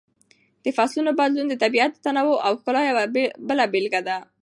د فصلونو بدلون د طبیعت د تنوع او ښکلا یوه بله بېلګه ده.